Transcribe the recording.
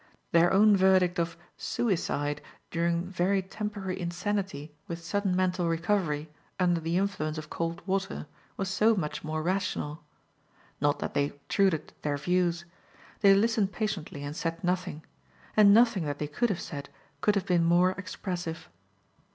Their own verdict of "sooicide" during very temporary insanity with sudden mental recovery, under the influence of cold water, was so much more rational. Not that they obtruded their views. They listened patiently and said nothing; and nothing that they could have said could have been more expressive.